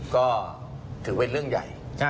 ก็ถือเป็นเรื่องใหญ่